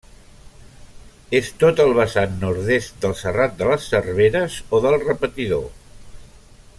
És tot el vessant nord-est del Serrat de les Serveres, o del Repetidor.